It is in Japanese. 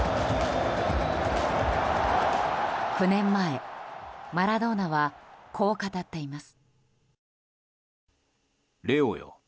９年前、マラドーナはこう語っています。